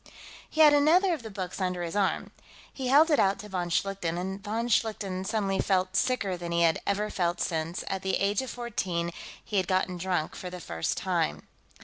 He had another of the books under his arm. He held it out to von Schlichten, and von Schlichten suddenly felt sicker than he had ever felt since, at the age of fourteen, he had gotten drunk for the first time.